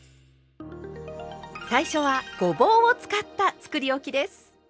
最初はごぼうを使ったつくりおきです。